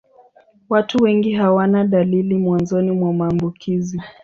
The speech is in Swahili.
Watu wengi hawana dalili mwanzoni mwa maambukizi.